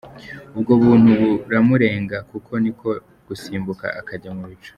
Ubwo buntu buramurenga koko ni ko gusimbuka akajya mu bicu.